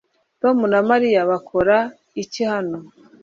Tom na Mariya bakora iki hano